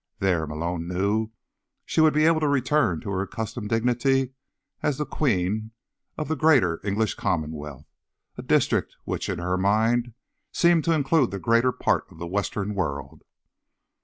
There, Malone knew, she would be able to return to her accustomed dignity as Queen of the Greater English Commonwealth, a district which, in her mind, seemed to include the greater part of the Western world.